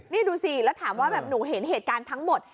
นี่ดูสิแล้วถามว่าแบบหนูเห็นเหตุการณ์ทั้งหมด